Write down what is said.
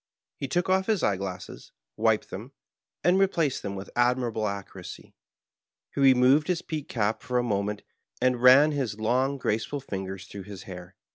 He took off his eye glasses, wiped them, and replaced them with admirable accuracy. He removed his peaked cap for a moment, and ran his long, grace ful fingers through his hair.